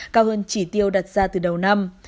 cao hơn chỉ tiêu đặt ra từ đầu năm